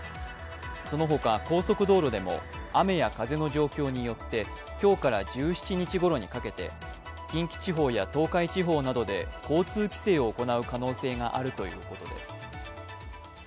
そのほか、高速道路でも雨や風の状況によって、今日から１７日ごろにかけて近畿地方や東海地方などで交通規制を行う可能性があるということです。